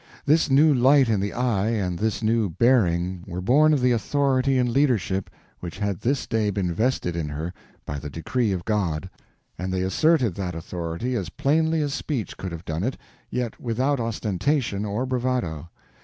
This new light in the eye and this new bearing were born of the authority and leadership which had this day been vested in her by the decree of God, and they asserted that authority as plainly as speech could have done it, yet without ostentation or bravado.